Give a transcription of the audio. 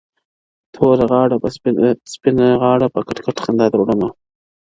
توره داره سپینه غاړه په کټ کټ خندا در وړمه.